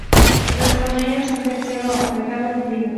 Los cañones son de acero forjado en frío.